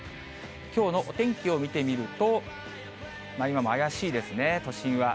きょうのお天気を見てみると、今も怪しいですね、都心は。